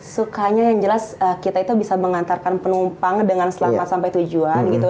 sukanya yang jelas kita itu bisa mengantarkan penumpang dengan selamat sampai tujuan gitu